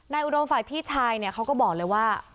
อุดมฝ่ายพี่ชายเนี่ยเขาก็บอกเลยว่า